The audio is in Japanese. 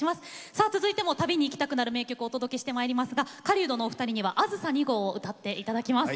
さあ続いても旅に行きたくなる名曲をお届けしてまいりますが狩人のお二人には「あずさ２号」を歌って頂きます。